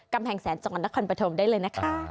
กำแห่งแสนจอดนครปฐมได้เลยนะคะ